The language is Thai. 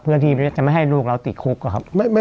เพื่อที่จะไม่ให้ลูกเราติดคุกอะครับ